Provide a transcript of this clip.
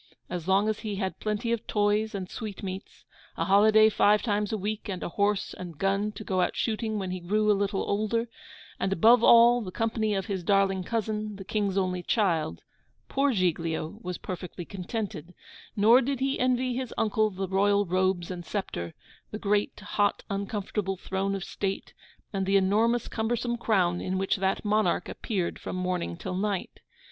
As long as he had plenty of toys and sweetmeats, a holiday five times a week and a horse and gun to go out shooting when he grew a little older, and, above all, the company of his darling cousin, the King's only child, poor Giglio was perfectly contented; nor did he envy his uncle the royal robes and sceptre, the great hot uncomfortable throne of state, and the enormous cumbersome crown in which that monarch appeared from morning till night.